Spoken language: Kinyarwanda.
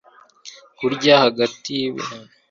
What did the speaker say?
bakarya hagati yibihe byo kurya bisanzwe